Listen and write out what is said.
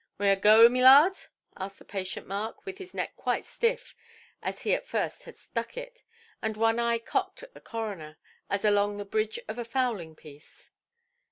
"Moy un goo, my lard"? asked the patient Mark, with his neck quite stiff, as he at first had stuck it, and one eye cocked at the coroner, as along the bridge of a fowling–piece.